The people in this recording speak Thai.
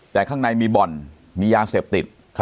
แต่ข้างในมีบ่อนมียาเสพติด